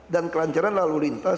dan kelancaran lalu lintas